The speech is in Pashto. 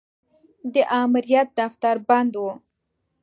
د امریت دفتر بند و.